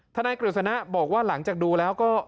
นายกฤษณะบอกว่าหลังจากดูแล้วก็